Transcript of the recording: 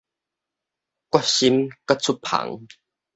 決心擱出帆